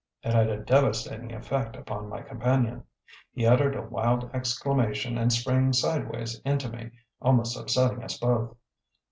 It had a devastating effect upon my companion. He uttered a wild exclamation and sprang sideways into me, almost upsetting us both.